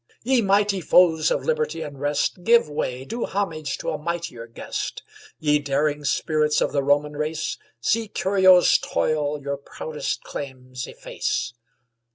Ye mighty foes of liberty and rest, Give way, do homage to a mightier guest! Ye daring spirits of the Roman race, See Curio's toil your proudest claims efface!